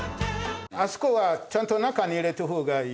あそこはちゃんと中に入れた方がいいよ。